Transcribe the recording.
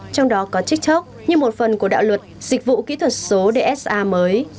trong đó có tiktok như một phần của đạo luật dịch vụ kỹ thuật số dsa mới